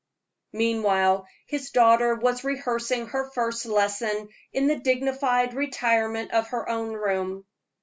Meanwhile his daughter was rehearsing her first lesson in the dignified retirement of her own room.